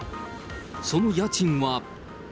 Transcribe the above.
その家賃は。